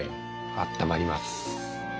あったまります。